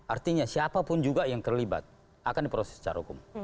artinya siapapun juga yang terlibat akan diproses secara hukum